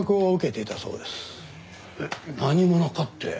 えっ何者かって？